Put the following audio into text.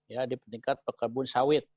ya di tingkat pekebun sawit